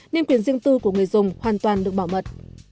nên quyền riêng tư của người dùng hoàn toàn được bảo mật